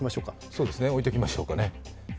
そうですね、置いときましょうかね。